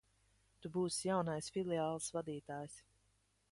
Tu būsi jaunais filiāles vadītājs.